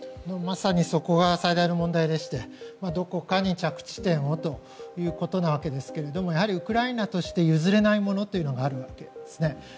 まさにそこが最大の問題でしてどこかに着地点をということですけどウクライナとして譲れないものというのがあるわけです。